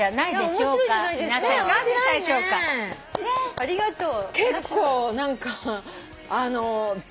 ありがとう。